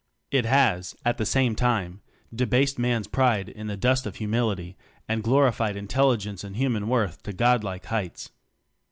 It has, at the same time, debased man's pride in the dust of humility, and glorified intelli gence and human worth to God like heights.